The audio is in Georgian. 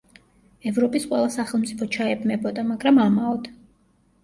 ევროპის ყველა სახელმწიფო ჩაებმებოდა, მაგრამ ამაოდ.